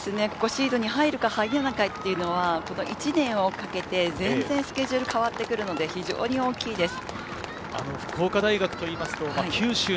シードに入るか、入らないかは１年をかけて、全然スケジュールが変わってくるので、非常に大きいです。